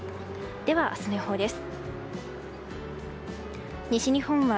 では、明日の予報です。